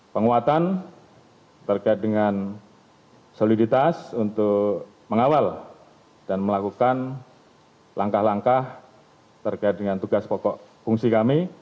penguatan terkait dengan soliditas untuk mengawal dan melakukan langkah langkah terkait dengan tugas pokok fungsi kami